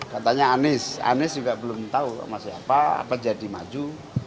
katanya anies anies juga belum tahu sama siapa apa jadi maju